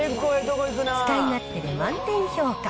使い勝手で満点評価。